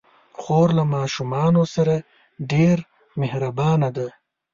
خور له ماشومانو سره ډېر مهربانه ده.